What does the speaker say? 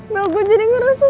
bell gue jadi ngerasa senang